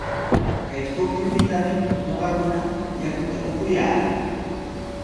Kay pukyupitami ñuqakuna yakuta upuyaa.